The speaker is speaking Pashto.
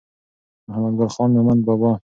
محمد ګل خان مومند بابا